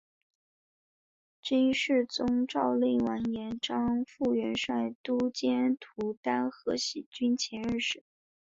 金世宗诏令完颜璋赴元帅都监徒单合喜军前任使。